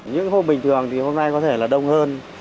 những hôm bình thường thì hôm nay có thể là đông hơn